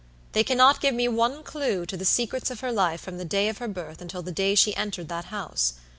They cannot give me one clew to the secrets of her life from the day of her birth until the day she entered that house.